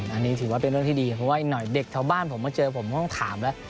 อันนี้ถือว่าเป็นเรื่องที่ดีเพราะว่าอีกหน่อยเด็กแถวบ้านผมมาเจอผมก็ต้องถามแล้ว